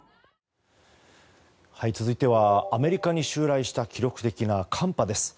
続いては、アメリカに襲来した記録的な寒波です。